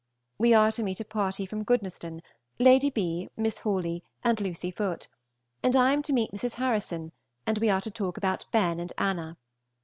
We are to meet a party from Goodnestone, Lady B., Miss Hawley, and Lucy Foote, and I am to meet Mrs. Harrison, and we are to talk about Ben and Anna.